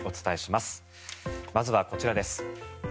まずはこちらです。